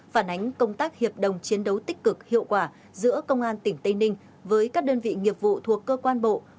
phản ánh công tác hiệp đồng chiến đấu tích cực hiệu quả giữa công an tỉnh tây ninh với các đơn vị nghiệp vụ thuộc cơ quan bộ